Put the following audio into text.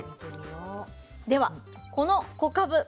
ではこの小かぶ。